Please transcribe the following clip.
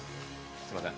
すいません。